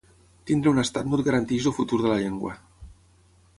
Tenir un estat no et garanteix el futur de la llengua.